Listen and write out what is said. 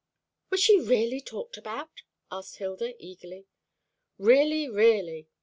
"Was she really talked about?" asked Hilda eagerly. "Really, really.